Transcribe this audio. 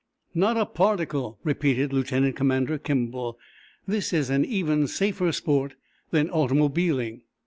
"Not a particle," repeated Lieutenant Commander Kimball. "This is an even safer sport than automobiling."